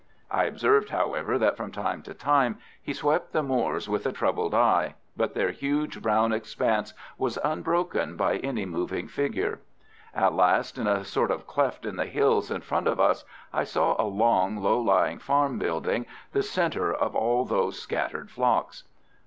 I observed, however, that from time to time he swept the moors with a troubled eye, but their huge brown expanse was unbroken by any moving figure. At last in a sort of cleft in the hills in front of us I saw a long, low lying farm building, the centre of all those scattered flocks.